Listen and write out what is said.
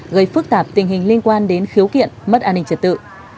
gây phức tạp tình hình liên quan đến khiếu kiện mất an ninh trật tự